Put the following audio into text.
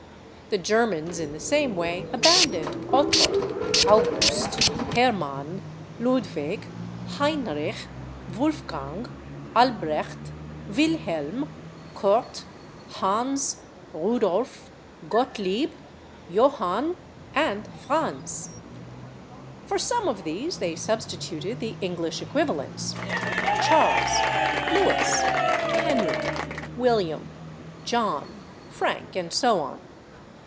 The Germans, in the same way, abandoned /Otto/, /August/, /Hermann/, /Ludwig/, /Heinrich/, /Wolfgang/, /Albrecht/, /Wilhelm/, /Kurt/, /Hans/, /Rudolf/, /Gottlieb/, /Johann/ and /Franz/. For some of these they substituted the English equivalents: /Charles/, /Lewis/, /Henry/, /William/, /John/, /Frank/ and so on.